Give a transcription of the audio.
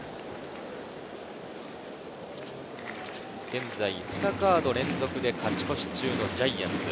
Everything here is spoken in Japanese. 現在ふたカード連続で勝ち越し中のジャイアンツ。